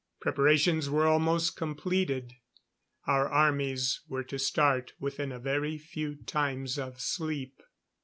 Preparations were almost completed; our armies were to start within a very few times of sleep.